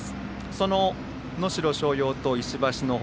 その能代松陽と石橋の他